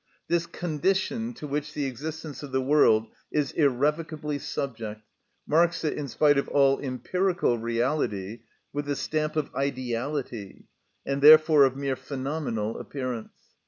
This condition, to which the existence of the world is irrevocably subject, marks it, in spite of all empirical reality, with the stamp of ideality, and therefore of mere phenomenal appearance.